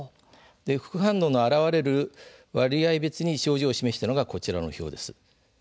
副反応の現れる割合別に症状を示したものが、こちらの表です。